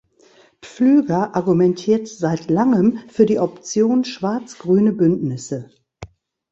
Pflüger argumentiert seit langem für die Option schwarz-grüne Bündnisse.